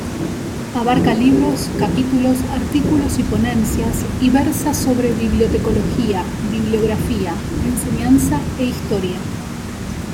Abarca libros, capítulos, artículos y ponencias y versa sobre bibliotecología, bibliografía, enseñanza e historia.